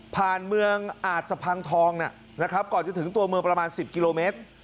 เมืองอาจสะพังทองนะครับก่อนจะถึงตัวเมืองประมาณ๑๐กิโลเมตร